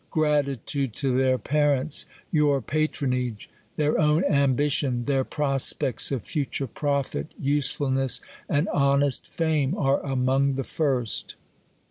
Gratitude to their parents ; your patrona2;e ; their own ambition ; their prospects of future" profit, usefulness, and honest fame, are among the first.